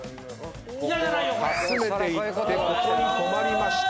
ここはかすめていってここに止まりました。